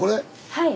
はい。